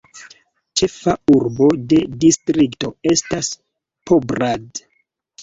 Ĉefa urbo de distrikto estas Poprad.